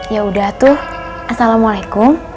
yaudah tuh assalamualaikum